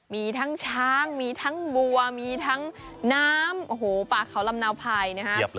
มีทั้งช้างมีทั้งบัวมีทั้งน้ำโอ้โหป่าเขาลำเนาภัยนะครับ